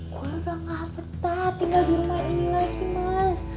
gue udah ga peta tinggal di rumah ini lagi mas